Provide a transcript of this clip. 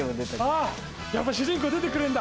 やっぱり主人公出て来るんだ！